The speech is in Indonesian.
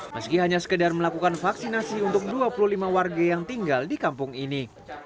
meski hanya sekedar melakukan vaksinasi untuk dua puluh lima warga yang tinggal di kampung ini